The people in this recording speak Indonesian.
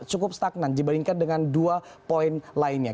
cukup stagnan dibandingkan dengan dua poin lainnya